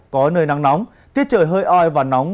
có nơi nắng nóng tiết trời hơi oi và nóng